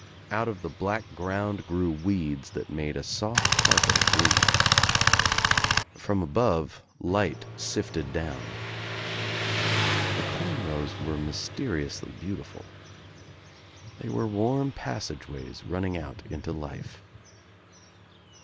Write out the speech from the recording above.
Out of the black ground grew weeds that made a soft carpet of green. From above light sifted down. The corn rows were mysteriously beautiful. Thejr were warm passageways running out into life.